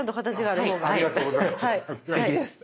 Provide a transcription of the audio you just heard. ありがとうございます。